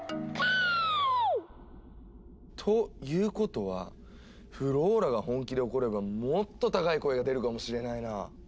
キーッ！ということはフローラが本気で怒ればもっと高い声が出るかもしれないな。